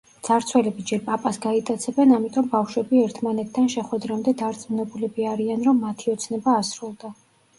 მძარცველები ჯერ პაპას გაიტაცებენ, ამიტომ ბავშვები ერთმანეთთან შეხვედრამდე დარწმუნებულები არიან, რომ მათი ოცნება ასრულდა.